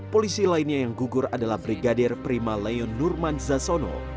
polisi lainnya yang gugur adalah brigadir prima leon nurman zasono